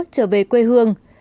trở về quê hương